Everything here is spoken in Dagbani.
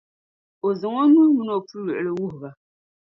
o zaŋ o nuhi min’ o puluɣili wuhi ba.